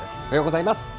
おはようございます。